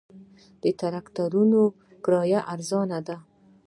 د تراکتورونو کرایه ارزانه ده